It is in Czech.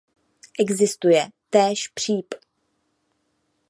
Existuje též příp.